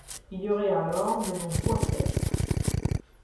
Il y aurait alors de bons coups à faire.